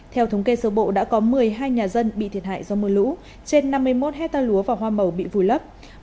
theo thống kê sơ bộ đã có một mươi hai nhà dân bị thiệt hại do mưa lũ trên năm mươi một hectare lúa và hoa màu bị vùi lấp